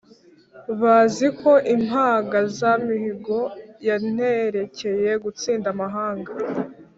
bazi ko impangazamihigo yanterekeye gutsinda amahanga.